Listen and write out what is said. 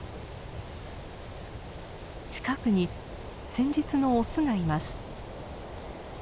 近くに先日のオスがいます。